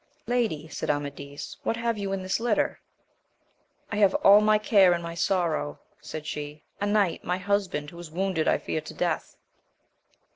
Lady, said Amadis, what have you in this litter ? I have all my care and my sorrow, said she ; a knight, my husband, who is wounded I fear to death.